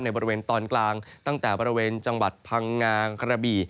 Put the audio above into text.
บริเวณตอนกลางตั้งแต่บริเวณจังหวัดพังงากระบี่